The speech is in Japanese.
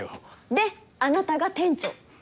であなたが店長。